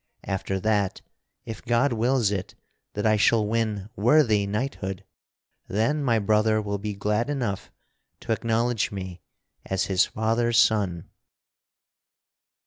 After that, if God wills it that I shall win worthy knighthood, then my brother will be glad enough to acknowledge me as his father's son."